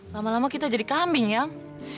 lama lama kita jadi kambing yang